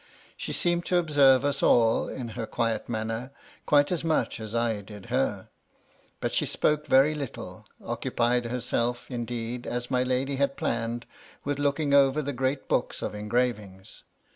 She seemed to observe us all, in her quiet manner, quite as much as 1 did her ; but she spoke very little ; occupied herself, indeed, as my lady had planned, with looking over the great books of engravings.